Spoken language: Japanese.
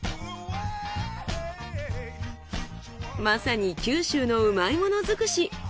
まさに九州のうまいものづくし。